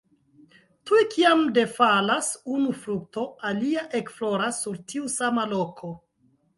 Tuj kiam defalas unu frukto, alia ekfloras sur tiu sama loko.